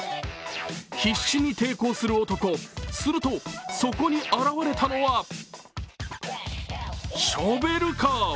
必死に抵抗する男、すると、そこに現れたのはショベルカー。